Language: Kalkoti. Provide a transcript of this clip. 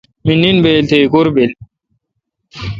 می نین بایل تھ ایکور بیک